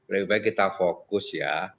lebih baik kita fokus ya